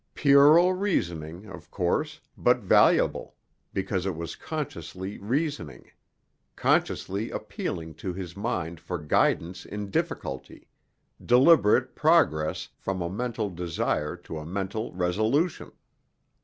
Puerile reasoning, of course, but valuable, because it was consciously reasoning, consciously appealing to his mind for guidance in difficulty, deliberate progress from a mental desire to a mental resolution.